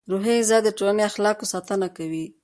روحي غذا د ټولنې اخلاقو ساتنه کوي.